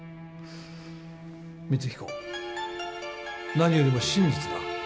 何よりも真実だ。